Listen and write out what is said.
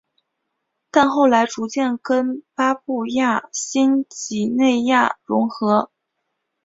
但后来逐渐跟巴布亚新几内亚融合。